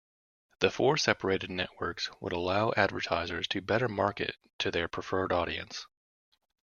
The four separate networks would allow advertisers to better market to their preferred audience.